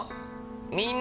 みんな！